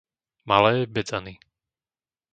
Malé Bedzany